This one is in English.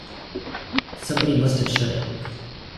Somebody must have shut it.